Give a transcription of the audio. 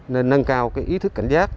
nên nâng cao ý thức cảnh giác